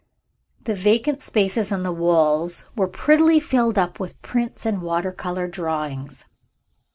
The vacant spaces on the walls were prettily filled up with prints and water color drawings.